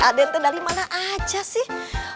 aden itu dari mana aja sih